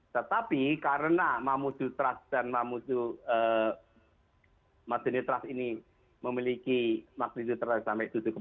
tetapi karena mahamudud trust dan maseni trust ini memiliki magnitude terkarket sampai tujuh